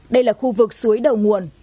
đây là khu vực suối đầu nguồn